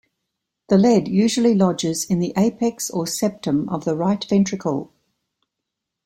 The lead usually lodges in the apex or septum of the right ventricle.